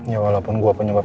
ya walaupun gue penyebab